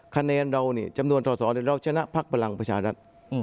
คะแนนเราจำนวนต่อเราชนะพลังประชารัฐ